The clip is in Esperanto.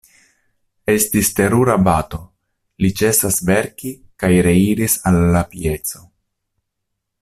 Estis terura bato: li ĉesas verki kaj reiris al la pieco.